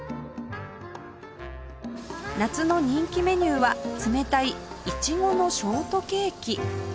夏の人気メニューは冷たい苺のショートケーキ